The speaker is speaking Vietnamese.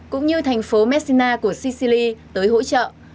cũng như thành phố messina của sicily tới hỗ trợ